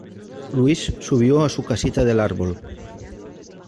Luis subió a su casita del árbol